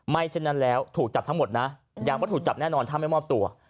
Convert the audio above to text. เช่นนั้นแล้วถูกจับทั้งหมดนะย้ำว่าถูกจับแน่นอนถ้าไม่มอบตัว